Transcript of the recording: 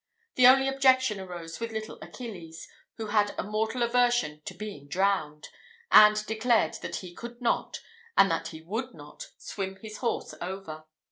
The only objection arose with little Achilles, who had a mortal aversion to being drowned, and declared that he could not, and that he would not, swim his horse over.